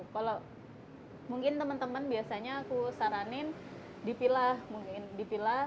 kalau mungkin teman teman biasanya aku saranin dipilah